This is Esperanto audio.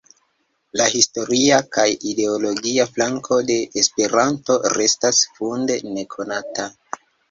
La historia kaj ideologia flanko de Esperanto restas funde nekonata.